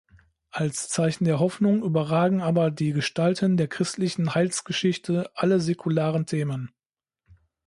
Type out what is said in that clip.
Als Zeichen der Hoffnung überragen aber die Gestalten der christlichen Heilsgeschichte alle säkularen Themen.